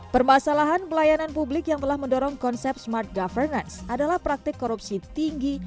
permasalahan pelayanan publik yang telah mendorong konsep smart governance adalah praktik korupsi tinggi